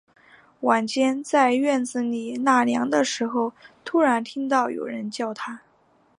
晚间，在院子里纳凉的时候，突然听到有人在叫他